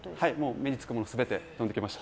目につくもの全て跳んできました。